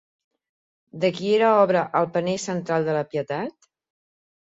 De qui era obra el panell central de la Pietat?